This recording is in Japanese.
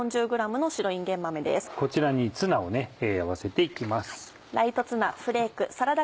こちらにツナを合わせて行きます。